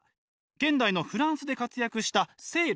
現代のフランスで活躍したセール。